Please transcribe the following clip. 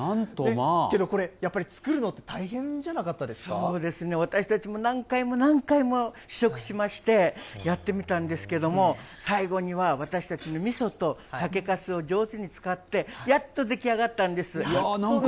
けどこれ、やっぱり作るのって大そうですね、私たちも何回も何回も試食しまして、やってみたんですけれども、最後には、私たちのみそと酒かすを上手に使って、やっと出来上がったんです。